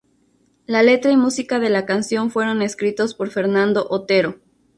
La letra y música de la canción fueron escritas por Fernando Otero.